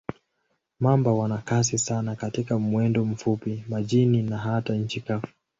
Mamba wana kasi sana katika mwendo mfupi, majini na hata nchi kavu.